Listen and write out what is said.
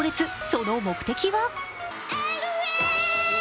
その目的は？